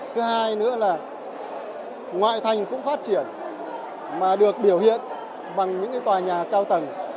thứ hai nữa là ngoại thành cũng phát triển mà được biểu hiện bằng những tòa nhà cao tầng